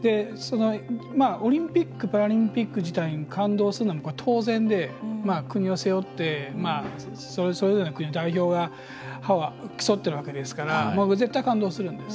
オリンピック・パラリンピック自体に感動するのは当然で国を背負ってそれぞれの国の代表が競ってるわけですから絶対感動するんです。